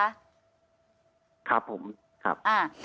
ครับผมครับ